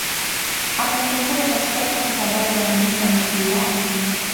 Ameonekana katika safu kadhaa za runinga na filamu.